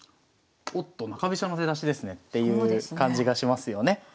おっと中飛車の出だしですねっていう感じがしますよね。